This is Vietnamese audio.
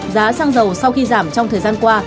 giá xăng dầu sau khi giảm trong thời gian qua